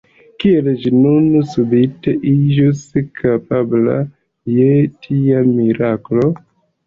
Kiel ĝi nun subite iĝus kapabla je tia miraklo?